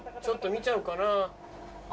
ちょっと見ちゃおうかな。